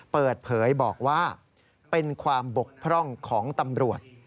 เปิดเผยบอกว่าเป็นความบกพร่องของตำรวจ